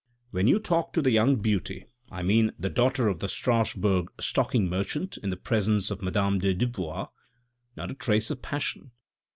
"When you talk to the young beauty, I mean the daughter of the Strasbourg stocking merchant in the presence of madame de Dubois, not a trace of passion.